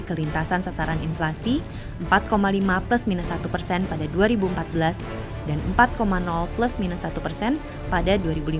kelintasan sasaran inflasi empat lima plus minus satu persen pada dua ribu empat belas dan empat plus minus satu persen pada dua ribu lima belas